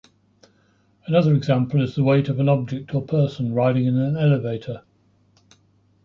Another example is the weight of an object or person riding in an elevator.